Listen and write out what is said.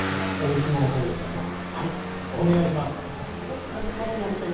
おいしいものを食べに行きましょう。